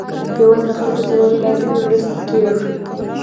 بې وزله خلکو سره لازمې مرستې کیږي.